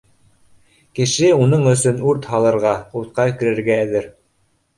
Кеше уның өсөн үрт һалырға, утҡа керергә әҙер